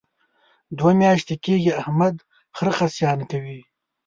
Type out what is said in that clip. دوه میاشتې کېږي احمد خره خصیان کوي.